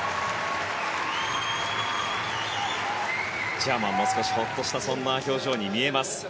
ジャーマンも少しほっとしたそんな表情に見えます。